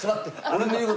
俺の言う事。